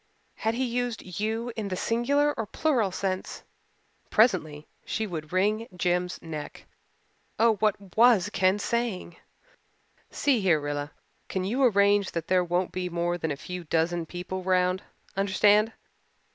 Had he used "you" in the singular or plural sense? Presently she would wring Jims' neck oh, what was Ken saying? "See here, Rilla, can you arrange that there won't be more than a few dozen people round? Understand?